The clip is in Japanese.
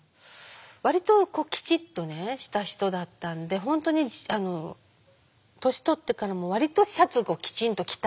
割ときちっとした人だったんで本当に年取ってからも割とシャツをきちんと着たい。